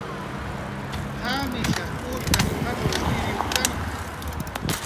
¿Qamishas utas amurshuyriwktanqa?